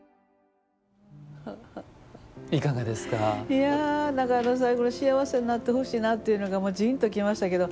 いや何か最後の幸せになってほしいなっていうのがジーンときましたけど。